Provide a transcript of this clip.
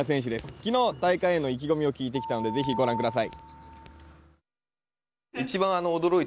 昨日、大会への意気込みを聞いてきたので、ぜひご覧ください。